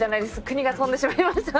国が飛んでしまいました。